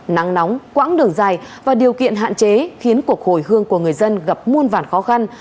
nắng nóng quãng đường dài và điều kiện hạn chế khiến cuộc hồi hương của người dân gặp muôn vản khó khăn